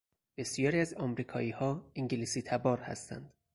بسیاری از امریکاییها انگلیسیتبار هستند.